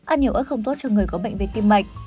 ăn nhiều ớt không tốt cho người có bệnh về tim mạch